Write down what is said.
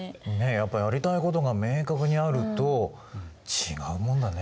やっぱりやりたいことが明確にあると違うもんだね。